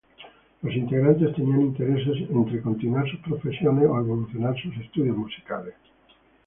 Los integrantes tenían intereses entre continuar sus profesiones o evolucionar sus estudios musicales.